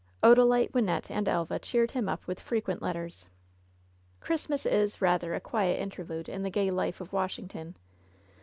Odalite, Wynnette and Elva cheered him up with fre " quent letters. Christmas is rather a quiet interlude in the gay life of Washington.